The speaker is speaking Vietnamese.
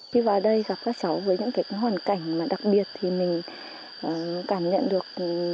khi vào đây gặp các cháu với những cái hoàn cảnh mà đặc biệt thì mình cảm nhận được